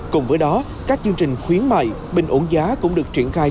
cùng với đó các chương trình khuyến mại bình ổn giá cũng được triển khai